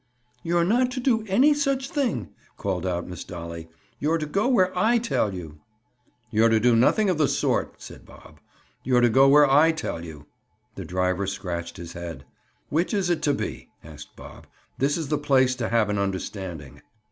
"You're not to do any such thing," called out Miss Dolly. "You're to go where I tell you." "You're to do nothing of the sort," said Bob. "You're to go where I tell you." The driver scratched his head. "Which is it to be?" asked Bob. "This is the place to have an understanding."